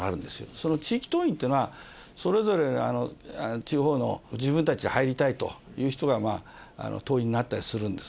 その地域党員というのは、それぞれが地方の、自分たち入りたいという人が党員になったりするんです。